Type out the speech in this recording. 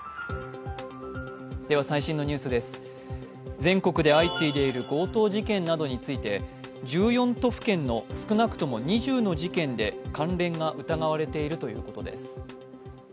全国で相次いでいる強盗事件などについて１４都府県の少なくとも２０の事件で関連が疑われているということです。